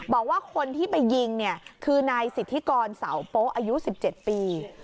บอกว่าคนที่ไปยิงเนี่ยคือนายสิทธิกรเสาโป๊อายุ๑๗ปี